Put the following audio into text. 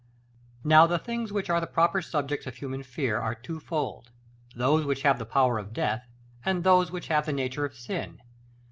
Now the things which are the proper subjects of human fear are twofold; those which have the power of Death, and those which have the nature of Sin.